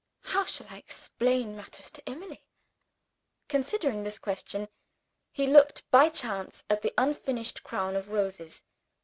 "How shall I explain matters to Emily?" Considering this question, he looked by chance at the unfinished crown of roses.